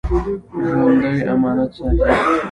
ژوندي امانت ساتي